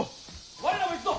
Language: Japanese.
我らも行くぞ！